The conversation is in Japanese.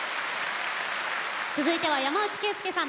続いては、山内惠介さん